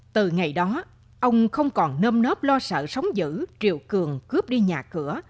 từ ngày đó ông không còn nôm nóp lo sợ sống dữ triều cường cướp đi nhà cửa